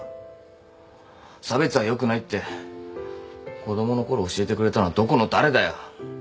差別は良くないって子供のころ教えてくれたのどこの誰だよ。